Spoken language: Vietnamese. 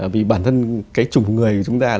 vì bản thân cái chủng người của chúng ta